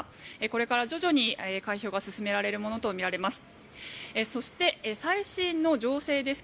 これから徐々に開票が進められるものとみられます。